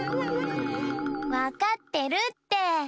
わかってるって。